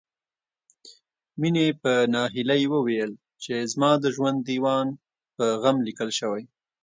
مينې په ناهيلۍ وويل چې زما د ژوند ديوان په غم ليکل شوی